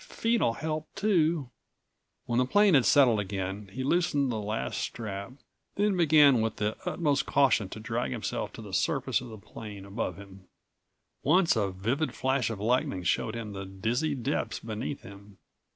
Feet'll help too." When the plane had settled again, he loosened the last strap, then began with the utmost caution to drag himself to the surface of the plane above him. Once a vivid flash of lightning showed him the dizzy depths beneath him.